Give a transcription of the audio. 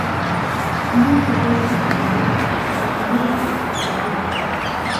Klubaj koloroj estas nigro kaj ruĝo.